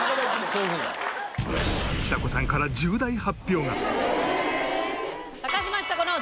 ちさ子さんから重大発表が